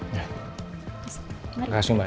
terima kasih mbak ya